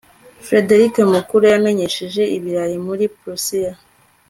Frederick Mukuru yamenyesheje ibirayi muri Prussia